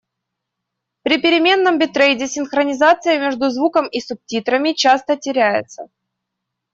При переменном битрейте синхронизация между звуком и субтитрами часто теряется.